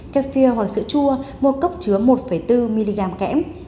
kefir hoặc sữa chua một cốc chứa một bốn mg kẽm